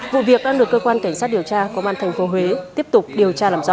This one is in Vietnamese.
vụ việc đang được cơ quan cảnh sát điều tra của ban thành phố huế tiếp tục điều tra làm rõ